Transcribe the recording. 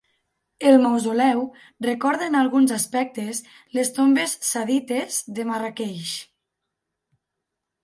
El mausoleu recorda en alguns aspectes les tombes sadites de Marràqueix.